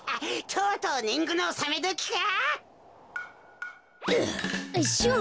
とうとうねんぐのおさめどきか。